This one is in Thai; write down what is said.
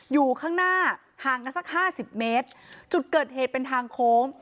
อยู่ข้างหน้าห่างกันสักห้าสิบเมตรจุดเกิดเหตุเป็นทางโค้ง